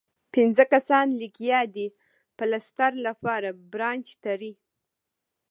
پنځۀ کسان لګيا دي پلستر لپاره پرانچ تړي